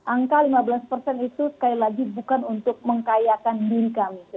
angka lima belas persen itu sekali lagi bukan untuk mengkayakan diri kami